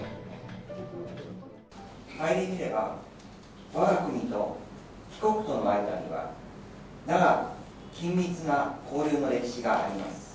顧みれば、わが国と貴国との間には、長く緊密な交流の歴史があります。